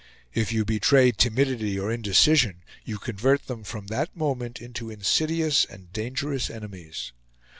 If you betray timidity or indecision, you convert them from that moment into insidious and dangerous enemies.